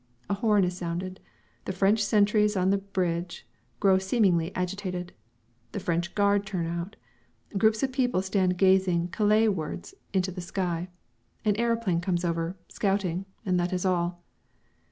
A horn is sounded. The French sentries on the bridge grow seemingly agitated; the French guard turn out. Groups of people stand gazing Calais wards into the sky. An aeroplane comes over scouting and that is all.